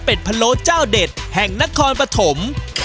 เป็นพะโล้เจ้าเด็ดแห่งนครปฐม